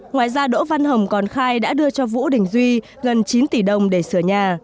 ngoài ra đỗ văn hồng còn khai đã đưa cho vũ đình duy gần chín tỷ đồng để sửa nhà